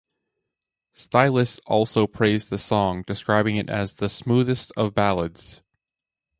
"Stylus" also praised the song, describing it as "the smoothest of ballads".